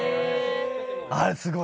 あれはすごい。